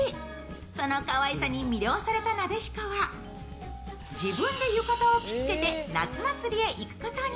そのかわいさに魅了された撫子は、自分で浴衣を着付けて夏祭りに行くことに。